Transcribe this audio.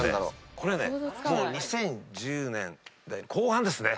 これはね２０１０年代後半ですね。